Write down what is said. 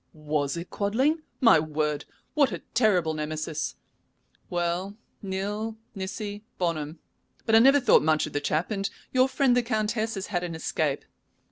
"Was it Quadling? My word! what a terrible Nemesis. Well, nil nisi bonum, but I never thought much of the chap, and your friend the Countess has had an escape.